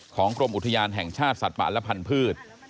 กรมอุทยานแห่งชาติสัตว์ป่าและพันธุ์